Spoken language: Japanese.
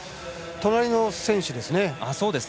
隣の選手ですね。